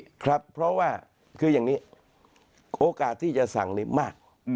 ใช่ครับเพราะว่าคืออย่างนี้โอกาสที่จะสั่งนี้มาก